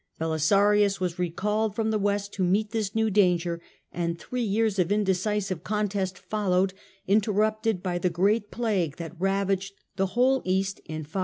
Belisarius was recalled from the west to meet this new danger, and three years of indecisive contest followed, interrupted by the great plague that ravaged the whole East in 542.